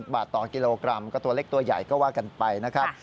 ๒๕๐บาทและ๒๘๐บาทต่อกิโลกรัม